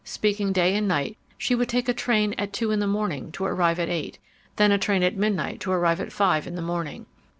Speaking day and night, she would take a train at two in the morning to arrive at eight; then a train at midnight to arrive at five in the morning.